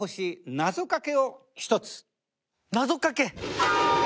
なぞかけ？